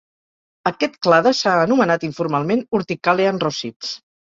Aquest clade s'ha anomenat informalment "urticalean rosids".